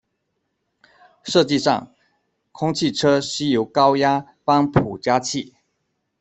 设计上，空气车需由高压帮浦加气。